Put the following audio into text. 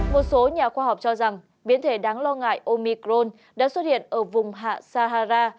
một số nhà khoa học cho rằng biến thể đáng lo ngại omicron đã xuất hiện ở vùng hạ sahara